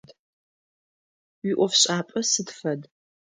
Уиӏофшӏапӏэ сыд фэд?